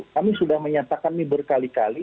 kami sudah menyatakan ini berkali kali